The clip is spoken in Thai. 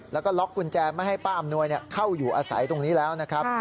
แล้วก็ล็อกกุญแจไม่ให้ป้าอำนวยเข้าอยู่อาศัยตรงนี้แล้วนะครับ